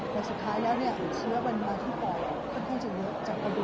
แต่สุดท้ายนี้มันมาที่ป่อนเขาต้องจะเยอะจับกระดูก